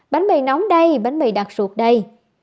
bánh mì nóng đây bánh mì đặc sụt đây